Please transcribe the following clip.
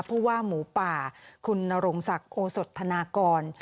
ผู้ว่าหมูป่าคุณนรงศักดิ์โอสดธนากร